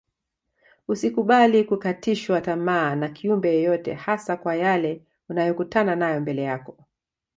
Usikubali kukatishwa tamaa na kiumbe yeyote hasa kwa yale unayokutana nayo mbele yako